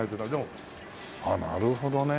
ああなるほどね。